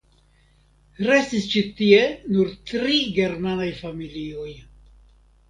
Restis ĉi tie nur tri germanaj familioj.